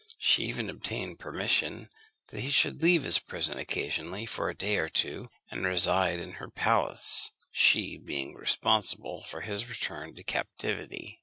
She even obtained permission that he should leave his prison occasionally for a day or two, and reside in her palace, she being responsible for his return to captivity.